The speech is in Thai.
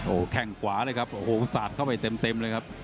โอ้โหแข้งขวาเลยครับโอ้โหสาดเข้าไปเต็มเลยครับ